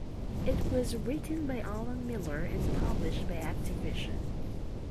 It was written by Alan Miller and published by Activision.